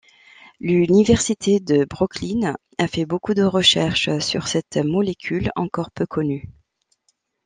L'université de Brooklyn a fait beaucoup de recherches sur cette molécule encore peu connue.